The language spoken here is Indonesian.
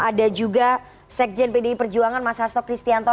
ada juga sekjen pdi perjuangan mas hasto kristianto